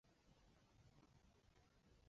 钝叶黑面神为大戟科黑面神属下的一个种。